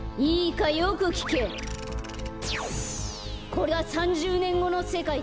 これが３０ねんごのせかいだ。